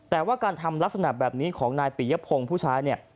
แต่ว่าการทำลักษณะแบบนี้ของนายปิยพงศ์ผู้ชายเนี่ย